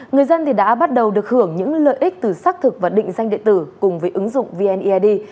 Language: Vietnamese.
người dân đã bắt đầu được hưởng những lợi ích từ xác thực và định danh địa tử cùng với ứng dụng vneid